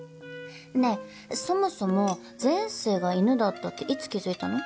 ねぇそもそも前世が犬だったっていつ気付いたの？